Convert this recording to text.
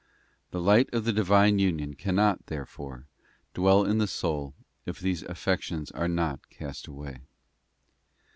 't The light of the Divine ~ union cannot, therefore, dwell in the soul if these affections are not cast away.